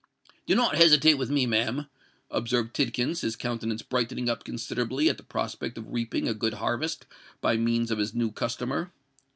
"Do not hesitate with me, ma'am," observed Tidkins, his countenance brightening up considerably at the prospect of reaping a good harvest by means of his new customer.